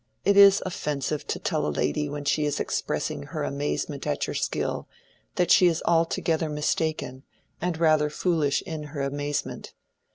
It is offensive to tell a lady when she is expressing her amazement at your skill, that she is altogether mistaken and rather foolish in her amazement.